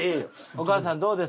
お母さんどうですか？